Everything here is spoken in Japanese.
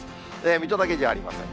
水戸だけじゃありません。